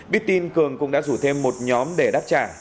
biết tin cường cũng đã rủ thêm một nhóm để đáp trả